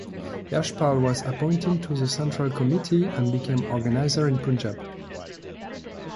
Yashpal was appointed to the central committee and became organiser in Punjab.